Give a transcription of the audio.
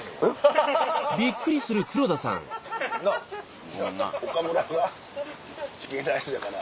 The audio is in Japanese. なっ岡村がチキンライスやから。